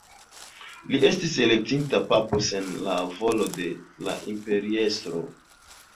Li estis elektita papo sen la volo de la imperiestro.